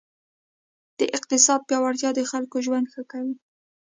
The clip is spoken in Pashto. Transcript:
د اقتصاد پیاوړتیا د خلکو ژوند ښه کوي.